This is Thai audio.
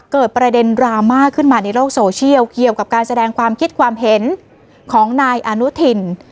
เกิดประเด็นดราม่าขึ้นมาในโลกโซเชียลเกี่ยวกับการแสดงความคิดความเห็นของนายอนุทิน